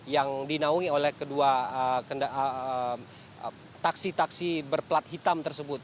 yang dinaungi oleh kedua taksi taksi berplat hitam tersebut